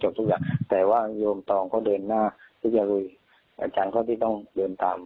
เหมือนอาจารย์